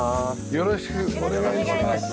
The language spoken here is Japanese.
よろしくお願いします。